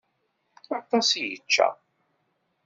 Aṭas i yečča.